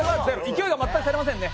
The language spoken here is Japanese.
勢いが全く足りませんね。